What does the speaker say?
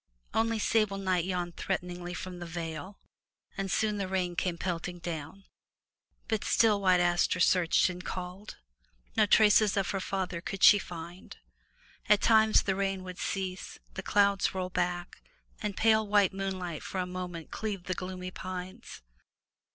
Only sable night yawned threatening from the vale, and soon the rain came pelting down. But still White Aster searched and called. No traces of her father could she find. At times the rain would cease, the clouds roll back, and pale white moonlight for a moment cleave the gloomy pines.